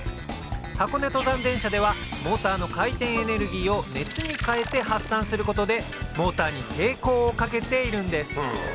箱根登山電車ではモーターの回転エネルギーを熱に変えて発散することでモーターに抵抗をかけているんです